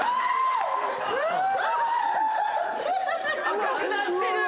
赤くなってる！